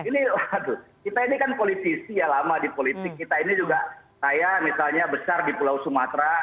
ini waduh kita ini kan politisi ya lama di politik kita ini juga saya misalnya besar di pulau sumatera